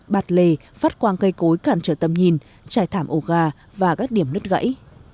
bạt lề phát quang cây cối cản trở tầm nhìn trải thảm ồ ga và các điểm nứt gãy